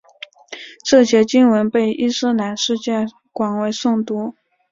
这节经文被伊斯兰世界广为诵读。